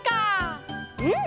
うん！